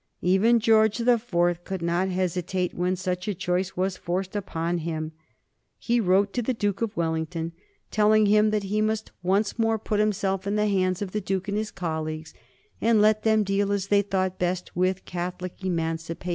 Even George the Fourth could not hesitate when such a choice was forced upon him. He wrote to the Duke of Wellington, telling him that he must once more put himself in the hands of the Duke and his colleagues, and let them deal as they thought best with Catholic Emancipation.